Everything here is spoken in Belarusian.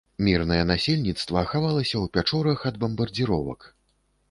Мірнае насельніцтва хавалася ў пячорах ад бамбардзіровак.